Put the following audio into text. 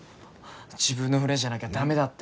自分の船じゃなきゃ駄目だって。